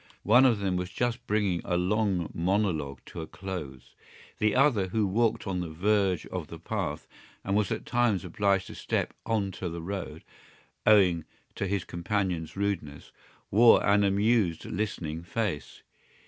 One of them was just bringing a long monologue to a close. The other, who walked on the verge of the path and was at times obliged to step on to the road, owing to his companion's rudeness, wore an amused listening face.